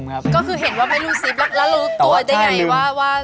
ก็คือเห็นว่าไม่รู้ซิปแล้วรู้ตัวได้ไงว่า